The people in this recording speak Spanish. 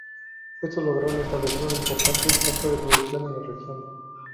Estos lograron establecer un importante centro de producción en la región.